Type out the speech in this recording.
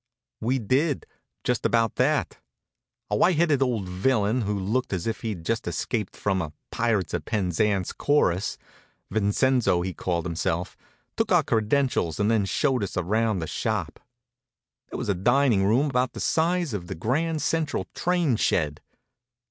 We did, just about that. A white headed old villain, who looked as if he'd just escaped from a "Pirates of Penzance" chorus Vincenzo, he called himself took our credentials and then showed us around the shop. There was a dining room about the size of the Grand Central train shed.